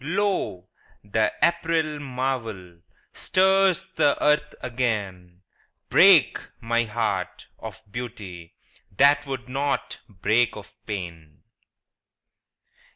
Lo, the April marvel Stirs the earth again: Break, my heart, of beauty, That would not break of pain